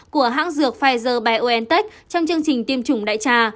của hãng dược pfizer biontech trong chương trình tiêm chủng đại trà